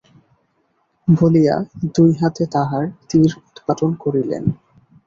বলিয়া দুই হাতে তাঁহার তীর উৎপাটন করিলেন।